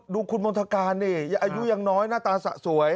ดูคุณบ้านทาการนี่อายุยังน้อยหน้าตาสวย